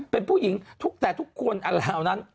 เป็นผู้หญิงทุกคนช่วย